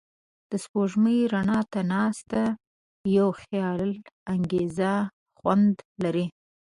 د سپوږمۍ رڼا ته ناستې یو خیالانګیز خوند لري.